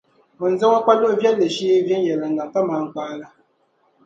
N ni zaŋ o kpa luɣ’ viɛlli shee viɛnyɛliŋga kaman kpaa la.